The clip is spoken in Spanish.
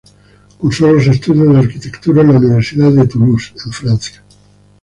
Cursó los estudios de Arquitectura en la Universidad de Toulouse, en Francia.